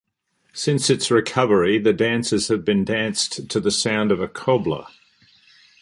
Since its recovery, the dances have been danced to the sound of a cobla.